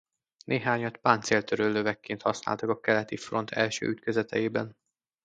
Néhányat páncéltörő lövegként használtak a keleti front első ütközeteiben.